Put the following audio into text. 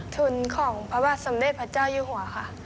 ทุนของพระบาทสมเด็จพระเจ้าอยู่หัวค่ะ